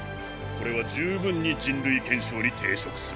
これは十分に人類憲章に抵触する。